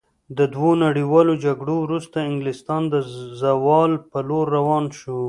له دوو نړیوالو جګړو وروسته انګلستان د زوال په لور روان شو.